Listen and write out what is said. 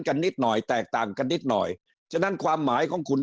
นิดหน่อยแตกต่างกันนิดหน่อยฉะนั้นความหมายของคุณ